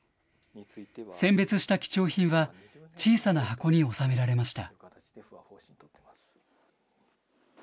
選別した貴重品は、小さな箱に収められました。